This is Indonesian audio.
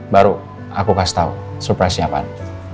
baru aku kasih tau surprise nya apaan